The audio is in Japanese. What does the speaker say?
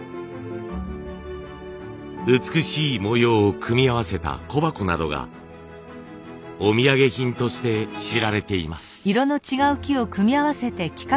美しい模様を組み合わせた小箱などがお土産品として知られています。